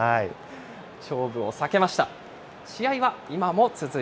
勝負を避けました。